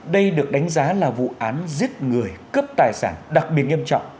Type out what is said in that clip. đây được đánh giá là vụ án giết người cướp tài sản đặc biệt nghiêm trọng